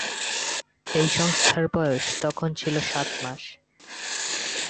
এই সংস্থার বয়স তখন ছিল সাত মাস।